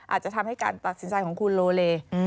อาจจะทำให้การตัดสินใจของคุณโลเล